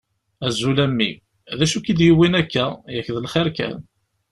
Azul a mmi! D acu i k-id-yuwin akka? Yak d lxir kan.